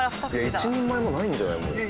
１人前もないんじゃないもう。